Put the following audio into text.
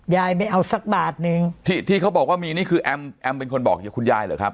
ไม่เอาสักบาทนึงที่ที่เขาบอกว่ามีนี่คือแอมแอมเป็นคนบอกคุณยายเหรอครับ